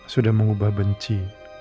sudah mengubah benci